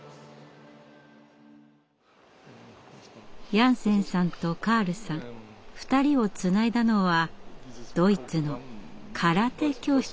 ヤンセンさんとカールさん２人をつないだのはドイツの「空手教室」でした。